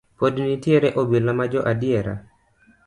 Pod nitiere obila ma jo adiera.